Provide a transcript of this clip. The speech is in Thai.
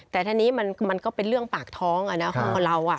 แต่ท่านนี้มันก็เป็นเรื่องปากท้องอาณะของเราอ่ะ